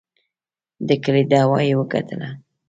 د کلي دعوه یې وګټله.